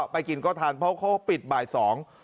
ไปกินก็ทันเพราะเขาปิดบ่ายสอง